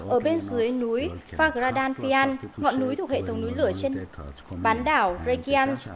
ở bên dưới núi fagradalfjall ngọn núi thuộc hệ thống núi lửa trên bán đảo reykjavik